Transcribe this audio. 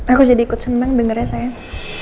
aku jadi ikut seneng dengarnya sayang